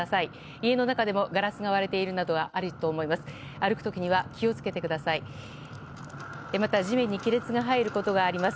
家の中でもガラスが割れているなどはあると思います。